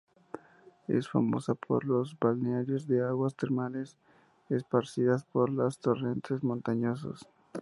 Es famosa por los balnearios de aguas termales esparcidas por los torrentes montañosos.